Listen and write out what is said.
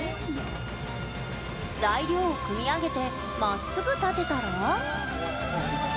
材料を組み上げてまっすぐ立てたら。